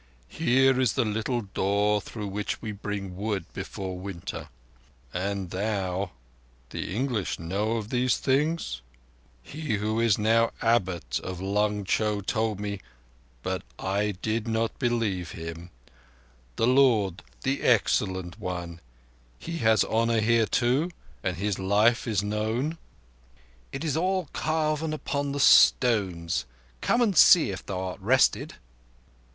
"Here is the little door through which we bring wood before winter. And thou—the English know of these things? He who is now Abbot of Lung Cho told me, but I did not believe. The Lord—the Excellent One—He has honour here too? And His life is known?" "It is all carven upon the stones. Come and see, if thou art rested."